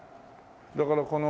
だからこの。